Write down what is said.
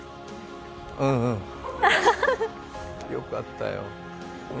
うんうん、よかったよ。